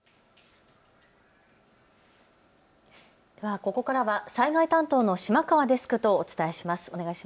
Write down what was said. ここからは災害担当の島川デスクとお伝えします。